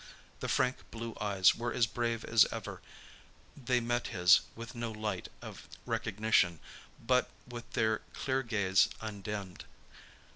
The frank blue eyes were as brave as ever; they met his with no light of recognition, but with their clear gaze undimmed.